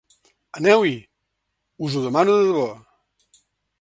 Aneu-hi, us ho demano de debò.